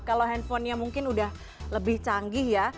kalau handphonenya mungkin udah lebih canggih ya